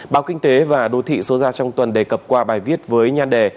báo kinh tế và đô thị số ra trong tuần đề cập qua bài viết với nhan đề